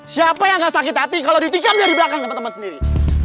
siapa yang gak sakit hati kalau ditikam dari belakang sama temen sendiri